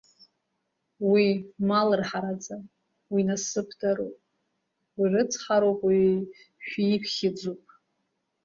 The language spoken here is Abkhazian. Уи малрҳараӡам, уи насыԥдароуп, уи рыцҳароуп, уи шәиԥхьыӡуп.